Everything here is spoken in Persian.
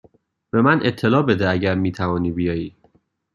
به من اطلاع بده اگر می توانی بیایی.